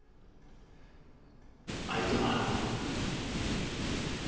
相手は？